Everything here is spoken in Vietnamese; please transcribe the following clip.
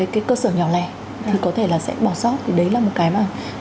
cái cơ sở nhỏ lẻ thì có thể là sẽ bỏ sót thì đấy là một cái mà